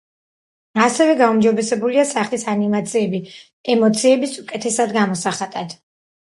ასევე გაუმჯობესებულია სახის ანიმაციები ემოციების უკეთესად გამოსახატად.